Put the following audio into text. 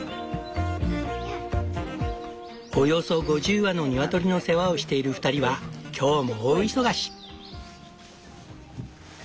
およそ５０羽のニワトリの世話をしている２人は今日も大忙し！